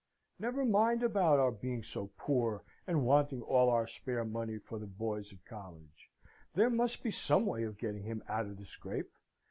Never mind about our being so poor, and wanting all our spare money for the boys at college; there must be some way of getting him out of the scrape.